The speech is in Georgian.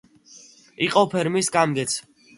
იყო ფერმის გამგეც.